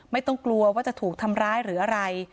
ไม่ต้องกลัวว่าจะถูกทำร้ายหรืออะไร